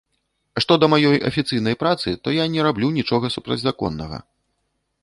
Што да маёй афіцыйнай працы, то я не раблю нічога супрацьзаконнага!